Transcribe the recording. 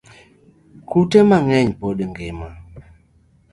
Kute mangeny pod ngima